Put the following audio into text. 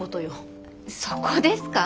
そこですか？